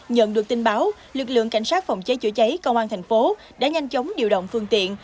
nhận được tin báo lực lượng cảnh sát phòng cháy chữa cháy công an thành phố đã nhanh chóng điều động phương tiện